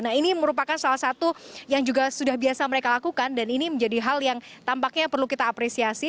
nah ini merupakan salah satu yang juga sudah biasa mereka lakukan dan ini menjadi hal yang tampaknya perlu kita apresiasi